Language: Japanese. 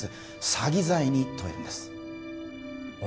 詐欺罪に問えるんですあ